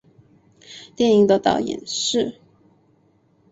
电影的导演是。